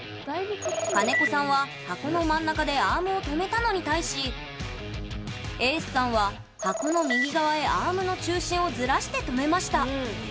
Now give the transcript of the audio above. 金子さんは、箱の真ん中でアームを止めたのに対しエースさんは、箱の右側へアームの中心をずらして止めました。